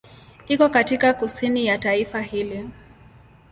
Iko katika kusini ya taifa hili.